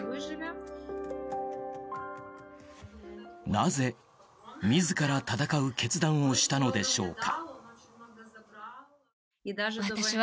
なぜ、自ら戦う決断をしたのでしょうか。